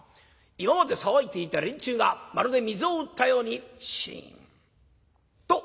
今まで騒いでいた連中がまるで水を打ったようにシンと。